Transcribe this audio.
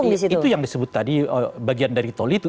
itu yang disebut tadi bagian dari tol itu